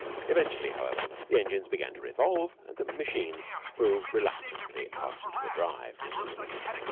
Eventually, however, the engines began to revolve and the machine moved reluctantly out into the drive.